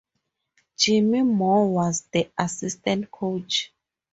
Jimmy Moore was the assistant coach.